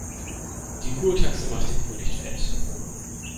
Die Kurtaxe macht den Kohl nicht fett.